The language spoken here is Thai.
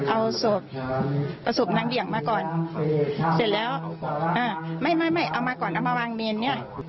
เอาสบนางเหนียงมาก่อนเสร็จแล้วไม่เอามาก่อนเอามาวางเม็ด